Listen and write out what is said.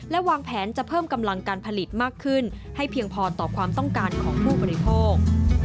และวางแผนจะเพิ่มกำลังการผลิตมากขึ้นให้เพียงพอต่อความต้องการของผู้บริโภค